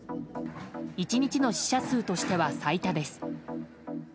１日の死者数としては最多です。